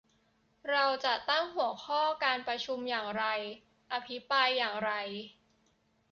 เราจะตั้งหัวข้อการประชุมอย่างไร อภิปรายอย่างไร